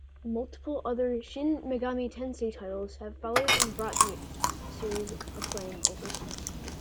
Multiple other "Shin Megami Tensei" titles have followed and brought the series acclaim overseas.